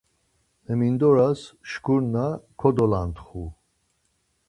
Hemindoras şkurna kodolantxu.